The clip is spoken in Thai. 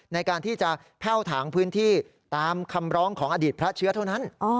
ในการที่จะแพ่วถางพื้นที่ตามคำร้องของอดีตพระเชื้อเท่านั้น